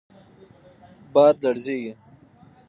باد لږیږی